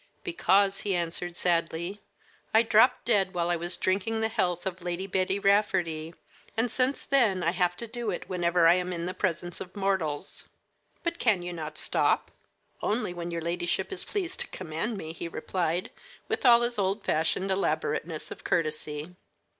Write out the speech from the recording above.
"Because," he answered sadly, "I dropped dead while I was drinking the health of Lady Betty Rafferty, and since then I have to do it whenever I am in the presence of mortals." "But can you not stop?" "Only when your ladyship is pleased to command me," he replied, with all his old fashioned elaborateness of courtesy.